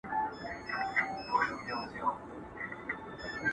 بيزو وان ويل بيزو ته په خندا سه!!